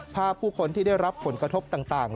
ผู้คนที่ได้รับผลกระทบต่าง